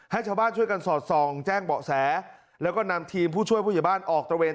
ให้ชาวบ้านช่วยกันสอดส่องแจ้งเบาะแสแล้วก็นำทีมผู้ช่วยผู้ใหญ่บ้านออกตระเวน